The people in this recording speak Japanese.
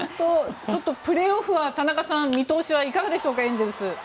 プレーオフは田中さん見通しはいかがでしょうかエンゼルス。